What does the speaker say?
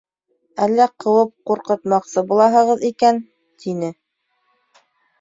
Әле ҡыуып ҡурҡытмаҡсы булаһығыҙ икән, - тине.